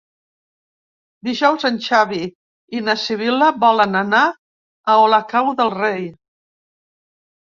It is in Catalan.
Dijous en Xavi i na Sibil·la volen anar a Olocau del Rei.